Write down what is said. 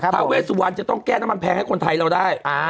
เวสุวรรณจะต้องแก้น้ำมันแพงให้คนไทยเราได้